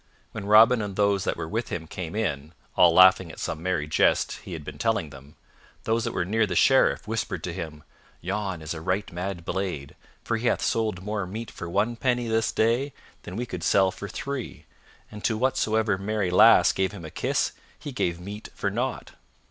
When Robin and those that were with him came in, all laughing at some merry jest he had been telling them, those that were near the Sheriff whispered to him, "Yon is a right mad blade, for he hath sold more meat for one penny this day than we could sell for three, and to whatsoever merry lass gave him a kiss he gave meat for nought."